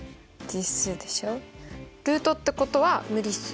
ルートってことは無理数。